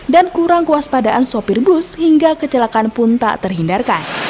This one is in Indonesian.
dan kurang kuas padaan sopir bus hingga kecelakaan pun tak terhindarkan